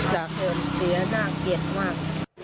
สะเกิดเสียน่าเกลียดมาก